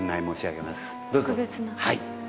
はい。